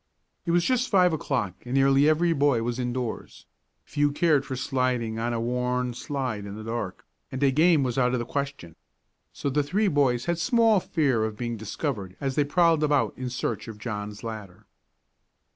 It was just five o'clock and nearly every boy was indoors; few cared for sliding on a worn slide in the dark, and a game was out of the question. So the three boys had small fear of being discovered as they prowled about in search of John's ladder.